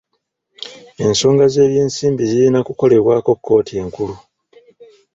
Ensonga z'ebyensimbi zirina kukolebwako kkooti enkulu.